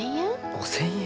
５，０００円？